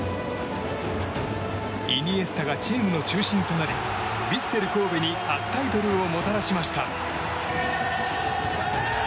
イニエスタがチームの中心となりヴィッセル神戸に初タイトルをもたらしました。